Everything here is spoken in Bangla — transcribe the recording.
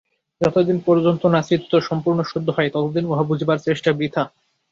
যতদিন পর্যন্ত না চিত্ত সম্পূর্ণ শুদ্ধ হয়, ততদিন উহা বুঝিবার চেষ্টা বৃথা।